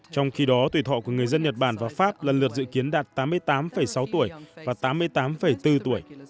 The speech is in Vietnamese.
trong khi đó tuổi thọ của người dân nhật bản và pháp lần lượt dự kiến đạt tám mươi tám sáu tuổi và tám mươi tám bốn tuổi